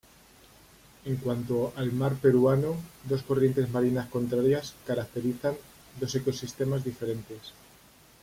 En cuanto al mar peruano, dos corrientes marinas contrarias caracterizan dos ecosistemas diferentes.